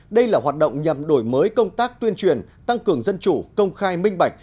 đây là hoạt động nhằm đổi mới công tác tuyên truyền tăng cường dân chủ công khai minh bạch